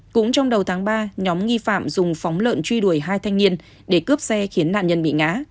cũng trong đầu tháng ba nhóm nghi phạm dùng phóng lợn truy đuổi hai thanh niên để cướp xe khiến nạn nhân bị ngã